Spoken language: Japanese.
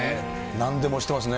なんでもしてますね。